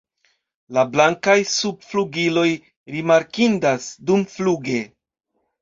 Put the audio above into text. La blankaj subflugiloj rimarkindas dumfluge.